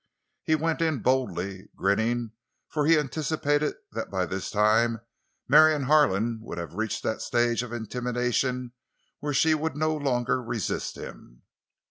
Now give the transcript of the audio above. He went in boldly, grinning, for he anticipated that by this time Marion Harlan would have reached that stage of intimidation where she would no longer resist him.